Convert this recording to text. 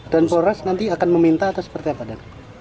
dan polres nanti akan meminta atau seperti apa